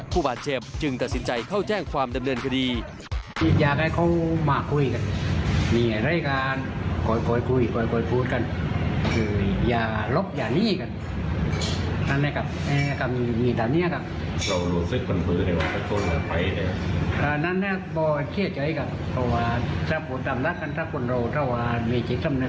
ผู้บาดเจ็บจึงตัดสินใจเข้าแจ้งความดำเนินคดี